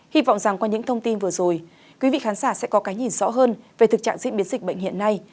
hy vọng rằng qua những thông tin vừa rồi quý vị khán giả sẽ có cái nhìn rõ hơn về thực trạng diễn biến dịch bệnh hiện nay